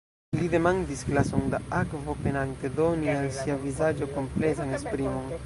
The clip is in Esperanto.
Li demandis glason da akvo, penante doni al sia vizaĝo komplezan esprimon.